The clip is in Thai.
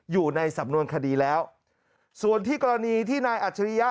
อยู่ในสำนวนคดีแล้วส่วนที่กรณีที่นายอัจฉริยะ